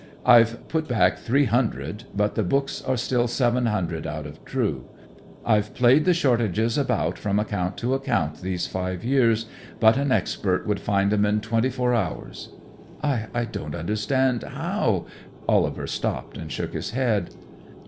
I've put back three hundred, but the books are still seven hundred out of true. I've played the shortages about from account to account these five years, but an expert would find 'em in twenty four hours." "I don't just understand how " Oliver stopped and shook his head.